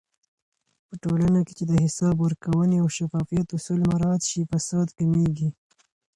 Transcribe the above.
په ټولنه کې چې د حساب ورکونې او شفافيت اصول مراعات شي، فساد کمېږي.